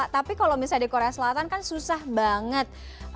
tapi kalau misalnya di korea selatan kan susah banget